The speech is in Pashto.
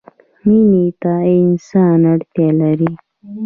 مینې ته انسان اړتیا لري.